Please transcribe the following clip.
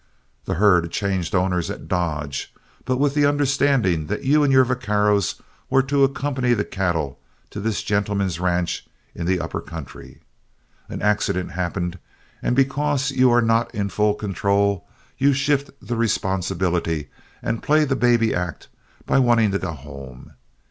"The herd changed owners at Dodge, but with the understanding that you and your vaqueros were to accompany the cattle to this gentleman's ranch in the upper country. An accident happens, and because you are not in full control, you shift the responsibility and play the baby act by wanting to go home.